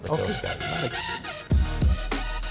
oke kita balik